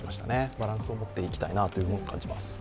バランスをとっていきたいなと感じます。